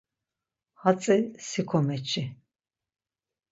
Hatzi si komeçi.